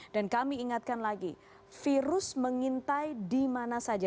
dan kami ingatkan lagi virus mengintai di mana saja